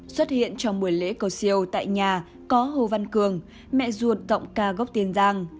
xuất hiện trong buổi lễ cầu siêu tại nhà có hồ văn cường mẹ ruột ca gốc tiền giang